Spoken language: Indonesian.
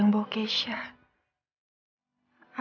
anda diajak kemarin gue yang bawa keisha